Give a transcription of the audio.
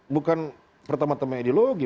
bukan pertama tama ideologi